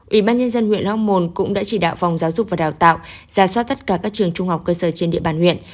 ủy ban nhân dân huyện long hồn cũng đã chỉ đạo phòng giáo dục và đào tạo ra soát tất cả các trường trung học cơ sở trên địa bàn huyện